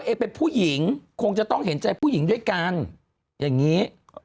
เอเป็นผู้หญิงคงจะต้องเห็นใจผู้หญิงด้วยกันอย่างนี้